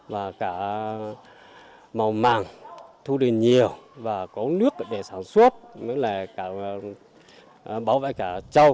và cả màu màng thu được nhiều và có nước để sản xuất mới là cả bảo vệ cả trâu